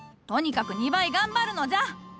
とにかく２倍頑張るのじゃ！